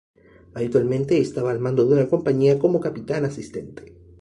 Habitualmente estaba al mando de una compañía, como capitán asistente.